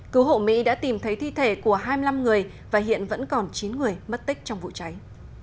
cứu hộ mỹ đã tìm thấy thi thể của hai mươi năm người và hiện vẫn còn chín người mất tích trong vụ cháy